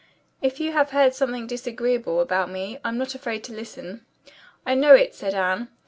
If you have heard something disagreeable about me, I'm not afraid to listen." "I know it," said Anne.